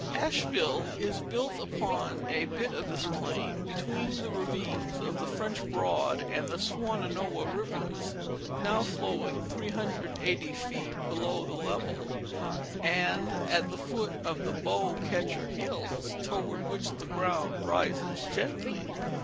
Asheville is built upon a bit of this plain between the ravines of the French Broad and Swannanoa rivers, now flowing 380 feet below the level, and at the foot of the Beau catcher hills; toward which the ground rises gently.